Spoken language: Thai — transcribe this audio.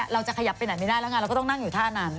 เราจะขยับไปไหนไม่ได้แล้วไงเราก็ต้องนั่งอยู่ท่านั้น